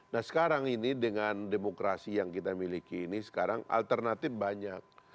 nah sekarang ini dengan demokrasi yang kita miliki ini sekarang alternatif banyak